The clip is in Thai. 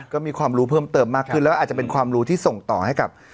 ก็มีความรู้เพิ่มเติมมากขึ้นแล้วอาจจะเป็นความรู้ที่ส่งต่อให้กับ